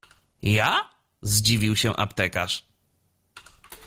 — Ja? — zdziwił się aptekarz.